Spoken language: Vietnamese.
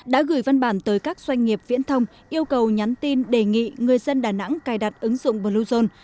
đã gửi văn bản tới các doanh nghiệp viễn thông yêu cầu nhắn tin đề nghị người dân đà nẵng cài đặt ứng dụng bluezone